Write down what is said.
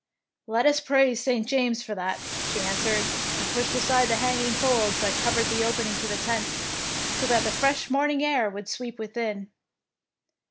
"Let us praise St. James for that," she answered, and pushed aside the hanging folds that covered the opening to the tent, so that the fresh morning air would sweep within.